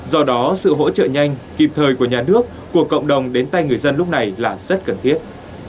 do đó sự hỗ trợ nhanh kịp thời của nhà nước của cộng đồng đến tay người dân lúc này là rất cần thiết